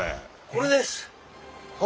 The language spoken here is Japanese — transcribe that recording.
これです！